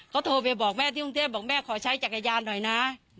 เขาโทรไปบอกแม่ที่กรุงเทพบอกแม่ขอใช้จักรยานหน่อยนะ